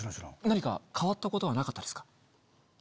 何か変わったことはなかったですか？